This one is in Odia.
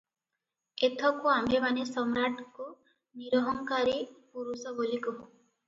ଏଥକୁ ଆମ୍ଭେମାନେ ସମ୍ରାଟଙ୍କୁ ନିରହଙ୍କାରି ପୁରୁଷ ବୋଲି କହୁ ।